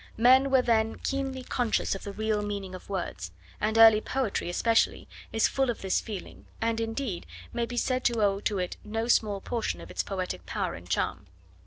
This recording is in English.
Men were then keenly conscious of the real meaning of words, and early poetry, especially, is full of this feeling, and, indeed, may be said to owe to it no small portion of its poetic power and charm.